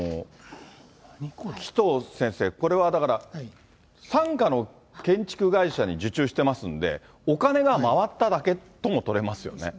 紀藤先生、これはだから、傘下の建築会社に受注してますんで、お金が回っただけとも取れますよね。